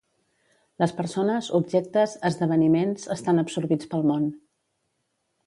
Les persones, objectes, esdeveniments estan absorbits pel món.